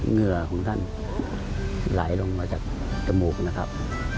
เหงื่อของท่านไหลลงมาจากจมูกนะครับ